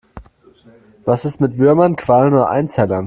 Was ist mit Würmern, Quallen oder Einzellern?